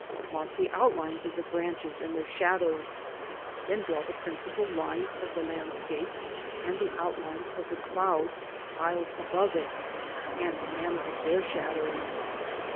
Mark the out lines of the branches and their shadows, then draw the principal lines of the landscape, and the outlines of the clouds piled above it, and the manner of their shadows.